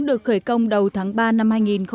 được khởi công đầu tháng ba năm hai nghìn một mươi bảy